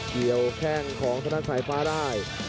เดี่ยวแข้งของธนาคสายฟ้าได้